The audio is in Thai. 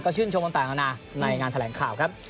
ก็ชื่นชมต่ำต่างอาณาในงานแสดงข้าวครับ